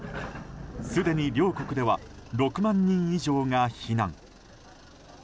すでに両国では６万人以上が避難。